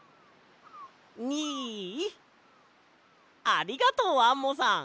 ありがとうアンモさん！